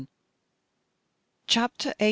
CHAPTER XIX.